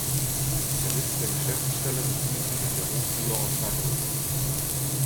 Der Sitz der Geschäftsstelle befindet sich an der Hochschule Osnabrück.